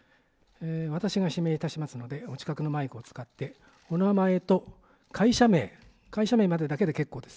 私が指名いたしますので、お近くのマイクを使って、お名前と、会社名、会社名だけで結構です。